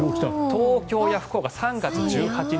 東京や福岡、３月１８日